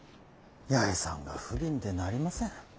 八重さんが不憫でなりません。